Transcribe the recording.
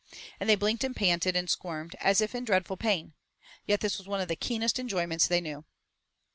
And they blinked and panted, and squirmed as if in dreadful pain; yet this was one of the keenest enjoyments they knew.